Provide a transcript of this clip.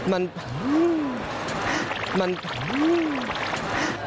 มันฮื้อมันฮื้อ